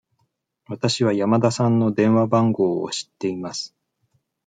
わたしは山田さんの電話番号を知っています。